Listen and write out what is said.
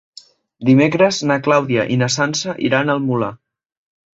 Dimecres na Clàudia i na Sança iran al Molar.